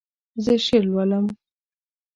زه شعر لولم